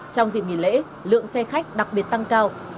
trong dịp nghỉ lễ lượng xe khách đặc biệt tăng cao